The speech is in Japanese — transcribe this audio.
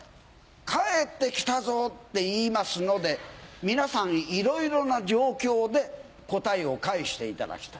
「帰ってきたぞ」って言いますので皆さんいろいろな状況で答えを返していただきたい。